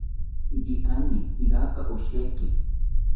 iriani iraka osheki